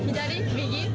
右？